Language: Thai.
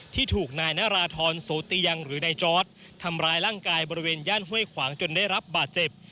ที่ถูกนายนาราธรโสเตียงหรือนายจอร์ดทำร้ายร่างกายบริเวณย่านห้วยขวางจนได้รับบาดเจ็บ